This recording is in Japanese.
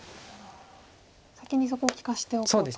先にそこを利かしておこうと。